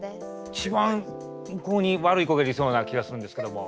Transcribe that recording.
一番向こうに悪い子がいそうな気がするんですけども。